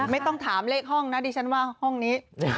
ไม่ต้องถามเลขห้องนะดิฉันว่าห้องนี้